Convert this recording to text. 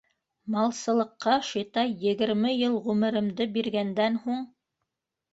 Малсылыҡҡа, шитай, егерме йыл ғүмеремде биргәндән һуң!